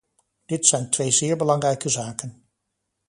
Dit zijn twee zeer belangrijke zaken.